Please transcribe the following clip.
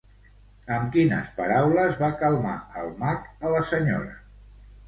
Amb quines paraules va calmar el mag a la senyora?